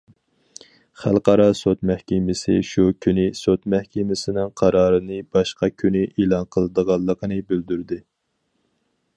خەلقئارا سوت مەھكىمىسى شۇ كۈنى سوت مەھكىمىسىنىڭ قارارىنى باشقا كۈنى ئېلان قىلىدىغانلىقىنى بىلدۈردى.